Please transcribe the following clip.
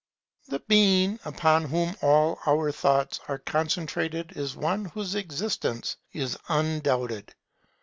The Being upon whom all our thoughts are concentrated is one whose existence is undoubted.